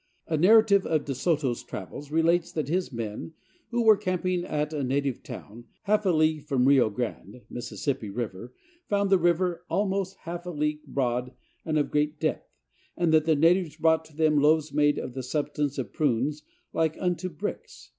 A narrative of De Soto's travels relates that his men, who were camping at a native town "halfe a league from Rio Grande" (Mississippi River) found the river "almost halfe a league broad and of great depth," and that the natives brought to them "loaves made of the substance of prunes, like unto brickes."